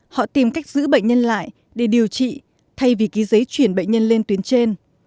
họ tìm cách giữ bệnh nhân lại để điều trị thay vì ký giấy chuyển bệnh nhân lên tuyến trên